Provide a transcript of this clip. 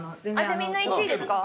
みんな行っていいですか。